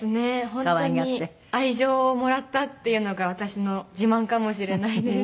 本当に愛情をもらったっていうのが私の自慢かもしれないです。